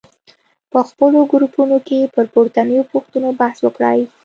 په خپلو ګروپونو کې پر پورتنیو پوښتنو بحث وکړئ.